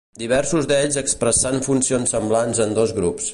Diversos d'ells expressant funcions semblants en dos grups.